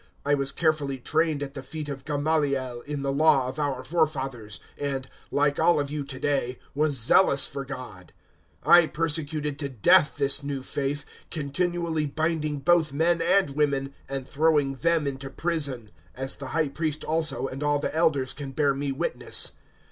I was carefully trained at the feet of Gamaliel in the Law of our forefathers, and, like all of you to day, was zealous for God. 022:004 I persecuted to death this new faith, continually binding both men and women and throwing them into prison; 022:005 as the High Priest also and all the Elders can bear me witness.